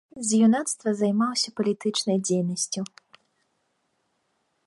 З юнацтве займаўся палітычнай дзейнасцю.